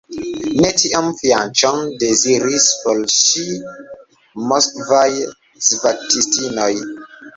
Ne tian fianĉon deziris por ŝi moskvaj svatistinoj!